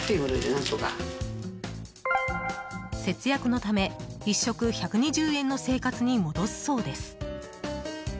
節約のため、１食１２０円の生活に戻すそうです。